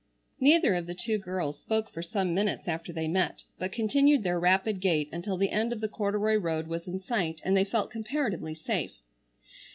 Neither of the two girls spoke for some minutes after they met, but continued their rapid gait, until the end of the corduroy road was in sight and they felt comparatively safe.